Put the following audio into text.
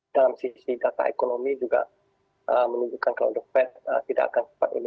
dalam sisi data ekonomi juga menunjukkan kalau dolar as tidak akan sempat ini